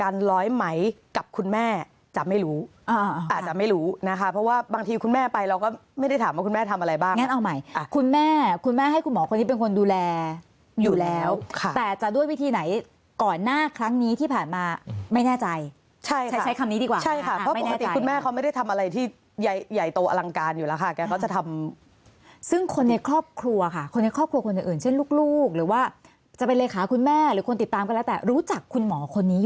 ร้อยไหมกับคุณแม่จะไม่รู้อาจจะไม่รู้นะคะเพราะว่าบางทีคุณแม่ไปเราก็ไม่ได้ถามว่าคุณแม่ทำอะไรบ้างงั้นเอาใหม่คุณแม่คุณแม่ให้คุณหมอคนนี้เป็นคนดูแลอยู่แล้วแต่จะด้วยวิธีไหนก่อนหน้าครั้งนี้ที่ผ่านมาไม่แน่ใจใช้คำนี้ดีกว่าใช่ค่ะเพราะปกติคุณแม่เขาไม่ได้ทำอะไรที่ใหญ่โตอลังการอยู่แล้วค่ะแกก็จะทำซึ่งคนใน